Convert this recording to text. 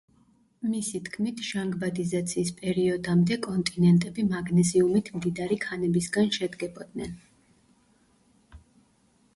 მისი თქმით, ჟანგბადიზაციის პერიოდამდე კონტინენტები მაგნეზიუმით მდიდარი ქანებისგან შედგებოდნენ.